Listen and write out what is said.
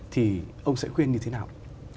thì ông sẽ khuyên như thế nào